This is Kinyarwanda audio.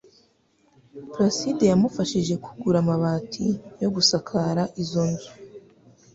Placide wamufashije kugura amabati yo gusakara izo nzu.